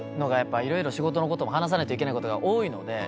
色々仕事のことも話さないといけないことが多いので。